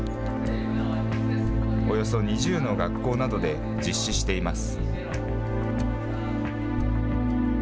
およそ２０の学校などで実施しています。